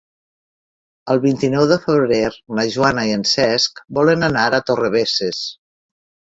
El vint-i-nou de febrer na Joana i en Cesc volen anar a Torrebesses.